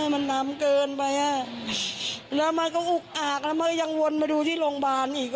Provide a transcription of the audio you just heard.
มันนำเกินไปแล้วมันก็อุกอากแล้วมันก็ยังวนมาดูที่โรงพยาบาลอีก